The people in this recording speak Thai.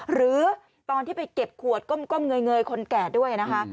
หรือตอนที่ไปเก็บขวดก้มเงยคนแก่ด้วยนะคะ